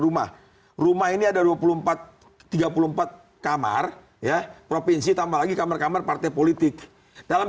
rumah rumah ini ada dua puluh empat tiga puluh empat kamar ya provinsi tambah lagi kamar kamar partai politik dalam